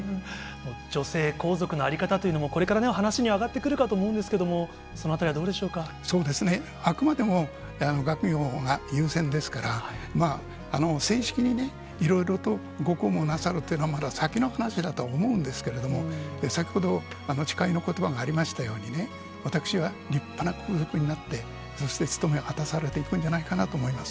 女性皇族の在り方というのも、これから話にも上がってくるかと思うんですけれども、そのあたりそうですね、あくまでも学業が優先ですから、正式にいろいろとご公務をなさるというのは、まだ先の話だと思うんですけれども、先ほど誓いのことばがありましたようにね、私は立派な皇族になって、そして務めを果たされていくんじゃないかなと思います。